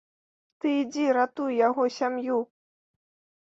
Ты ідзі, ратуй яго сям'ю.